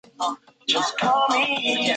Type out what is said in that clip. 是一个重要的区域性商业和旅游业中心。